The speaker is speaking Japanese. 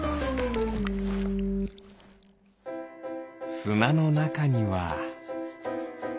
すなのなかには。